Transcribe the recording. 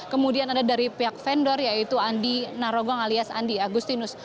kemudian ada dari pihak vendor yaitu andi narogong alias andi agustinus